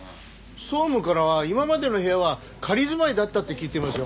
総務からは今までの部屋は仮住まいだったって聞いてますよ。